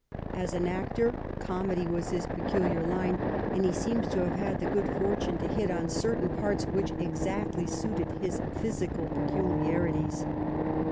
As an actor, comedy was his peculiar line, and he seems to have had the good fort une to hit on certain parts which exactly suited his physical peculiarities.